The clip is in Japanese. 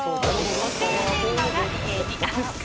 固定電話が家にあるか。